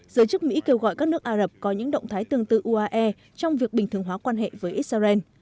giới chức mỹ kêu gọi các nước ả rập có những động thái tương tự uae trong việc bình thường hóa quan hệ với israel